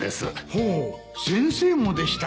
ほう先生もでしたか